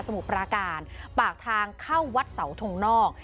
มุดปราการปากทางเข้าวัดเสาทงนอก